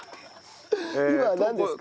今のはなんですか？